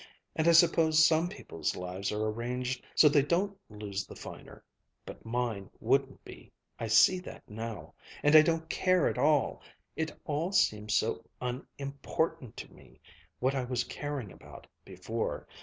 And I suppose some people's lives are arranged so they don't lose the finer. But mine wouldn't be. I see that now. And I don't care at all it all seems so unimportant to me, what I was caring about, before.